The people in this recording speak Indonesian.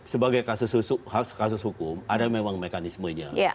sebagai kasus hukum ada memang mekanismenya